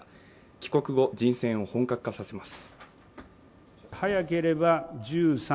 帰国後、人選を本格化させます。